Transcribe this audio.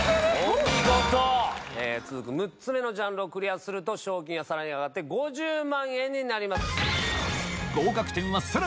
続く６つ目のジャンルをクリアすると賞金はさらに上がって５０万円になります。